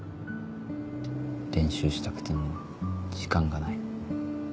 練習したくても時間がない。